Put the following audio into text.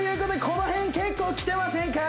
この辺結構きてませんか？